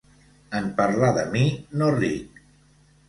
En parlar de mi, no ric.